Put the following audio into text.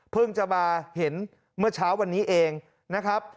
จะมาเห็นเมื่อเช้าวันนี้เองนะครับ